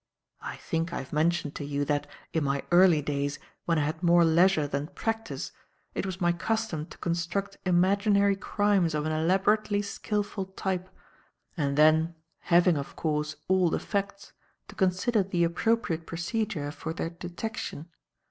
I think I have mentioned to you that, in my early days, when I had more leisure than practice, it was my custom to construct imaginary crimes of an elaborately skilful type, and then having, of course, all the facts to consider the appropriate procedure for their detection.